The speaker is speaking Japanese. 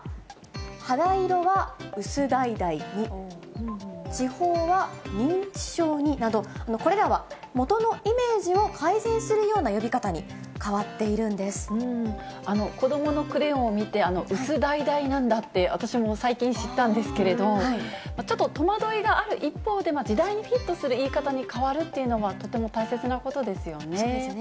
肌色はうすだいだいに、痴ほうは認知症になど、これらは元のイメージを改善するような呼び方に変わっているんで子どものクレヨンを見て、うすだいだいなんだって私も最近知ったんですけど、ちょっと戸惑いがある一方で、時代にフィットする言い方に変わるっていうのは、とても大切なこそうですね。